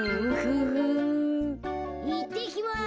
いってきます。